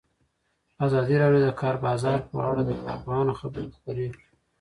ازادي راډیو د د کار بازار په اړه د کارپوهانو خبرې خپرې کړي.